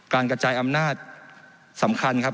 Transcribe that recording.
กระจายอำนาจสำคัญครับ